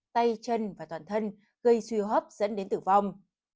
tay chân và toàn thân gây suy hấp dẫn đến tử vong